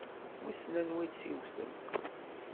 Wissen anwa i tt-yewwten?